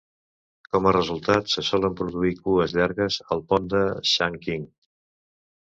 Com a resultat, se solen produir cues llargues al pont de Shangqing.